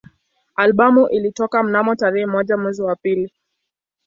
Albamu ilitoka mnamo tarehe moja mwezi wa pili